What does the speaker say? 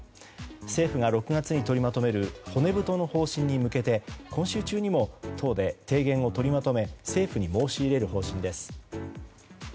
政府が６月に取りまとめる骨太の方針に向けて今週中にも党で提言を取りまとめ政府に申し入れる方針です。